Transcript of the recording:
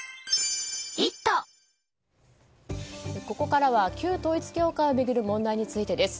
ここからは旧統一教会を巡る問題についてです。